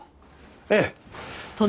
ええ。